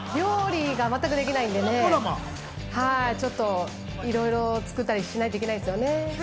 料理が全くできないので、いろいろ作ったりしないといけないですよね。